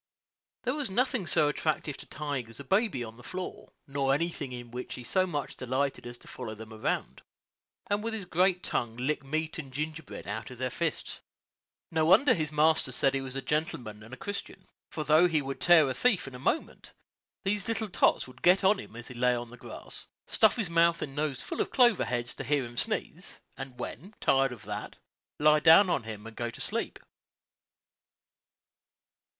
There was nothing so attractive to Tige as a baby on the floor, nor anything in which he so much delighted as to follow them around, and with his great tongue lick meat and gingerbread out of their fists. No wonder his master said he was a gentleman and a Christian; for though he would tear a thief in a moment, these little tots would get on him as he lay in the grass, stuff his mouth and nose full of clover heads to hear him sneeze, and, when tired of that, lie down on him and go to sleep.